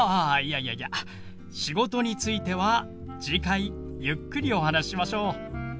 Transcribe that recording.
いやいや「仕事」については次回ゆっくりお話ししましょう。